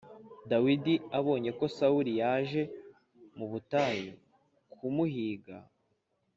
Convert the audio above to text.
Dawidi abonye ko sawuli yaje mu butayu kumuhiga